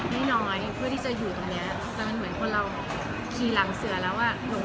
ไม่น้อยเพื่อที่จะอยู่ตรงเนี้ยแต่มันเหมือนคนเราขี่หลังเสือแล้วอ่ะ